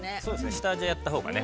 下味は、やったほうがね